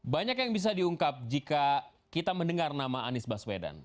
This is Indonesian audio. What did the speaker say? banyak yang bisa diungkap jika kita mendengar nama anies baswedan